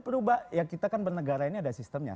perubah kita kan bernegara ini ada sistemnya